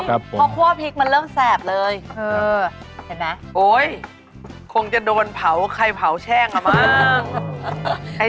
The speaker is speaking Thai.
พอคั่วพริกมันเริ่มแซ่บเลยอือเห็นไหมโอ้ยคงจะโดนเผาไข่เผาแช่งอ่ะมาก